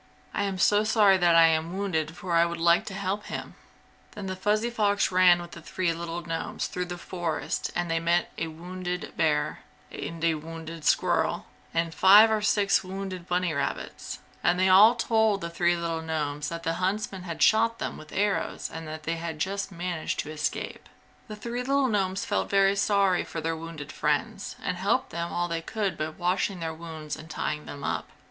"I am sorry that I am wounded for I would like to help him!" Then Fuzzy Fox ran with the three little gnomes through the forest and they met a wounded bear, and a wounded squirrel, and five or six wounded bunny rabbits, and they all told the three little gnomes that the huntsmen had shot them with arrows and that they just managed to escape. The three little gnomes felt very sorry for their wounded friends and helped them all they could by washing their wounds and tying them up.